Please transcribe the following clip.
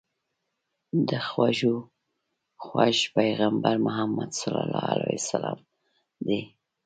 د خوږو خوږ پيغمبر محمد دي.